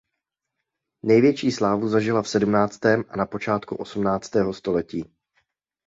Největší slávu zažila v sedmnáctém a na počátku osmnáctého století.